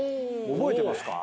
覚えてますか？